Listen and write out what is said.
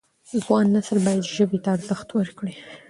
ځوان نسل باید ژبې ته ارزښت ورکړي.